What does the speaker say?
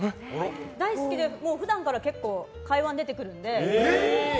大好きで、普段から結構会話に出てくるので。